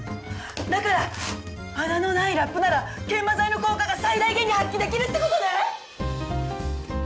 だから穴のないラップなら研磨剤の効果が最大限に発揮出来るって事ね？